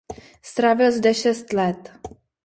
Strávil zde šest let.